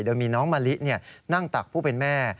โดยมีน้องมะลินั่งตักผู้เป็นแม่